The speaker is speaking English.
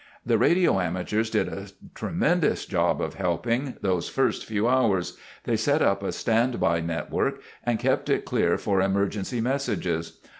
The radio amateurs did a tremendous job of helping those first few hours—they set up a standby network and kept it clear for emergency messages.